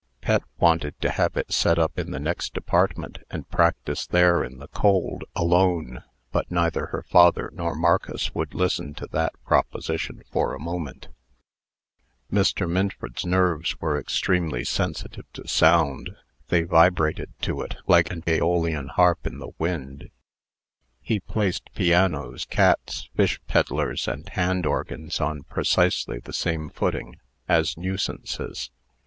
Pet wanted to have it set up in the next apartment, and practise there in the cold, alone; but neither her father nor Marcus would listen to that proposition for a moment. Mr. Minford's nerves were extremely sensitive to sound. They vibrated to it, like Aeolian harp in the wind. He placed pianos, cats, fish peddlers, and hand organs on precisely the same footing, as nuisances.